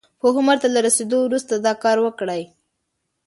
پوخ عمر ته له رسېدو وروسته دا کار وکړي.